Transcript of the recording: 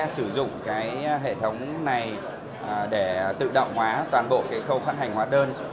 sử dụng cái hệ thống này để tự động hóa toàn bộ cái khâu phát hành hóa đơn